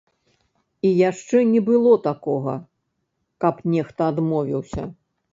І яшчэ не было такога, каб нехта адмовіўся.